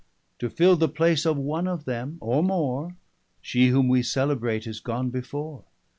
To fill the place of one of them, or more, Shee whom wee celebrate, is gone before.